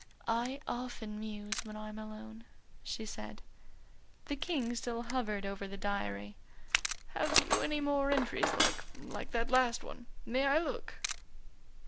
"I often muse when I'm alone," she said. The King still hovered over the diary. "Have you any more entries like like that last one? May I look?"